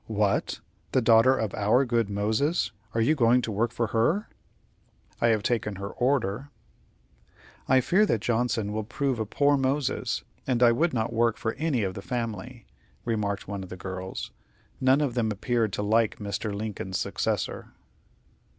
"What! the daughter of our good Moses. Are you going to work for her?" "I have taken her order." "I fear that Johnson will prove a poor Moses, and I would not work for any of the family," remarked one of the girls. None of them appeared to like Mr. Lincoln's successor.